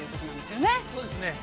◆そうですね。